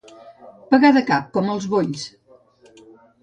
Pegar de cap com els bolls.